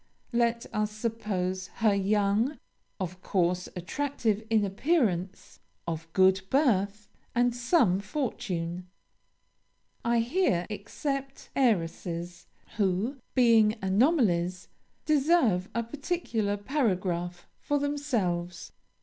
Let us suppose her young, of course, attractive in appearance, of good birth, and some fortune. I here except heiresses, who, being anomalies, deserve a particular paragraph for themselves.